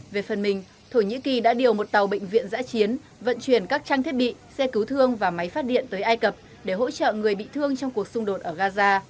về phần mình thổ nhĩ kỳ đã điều một tàu bệnh viện giã chiến vận chuyển các trang thiết bị xe cứu thương và máy phát điện tới ai cập để hỗ trợ người bị thương trong cuộc xung đột ở gaza